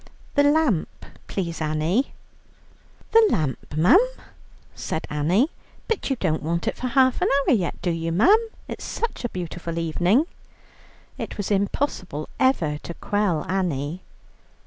"The lamp, please, Annie." "The lamp 'm," said Annie; "but you don't want it for half an hour yet, do you, 'm, it's such a beautiful evening?" It was impossible ever to quell Annie.